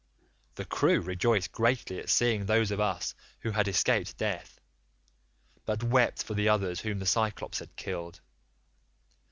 The crew rejoiced greatly at seeing those of us who had escaped death, but wept for the others whom the Cyclops had killed.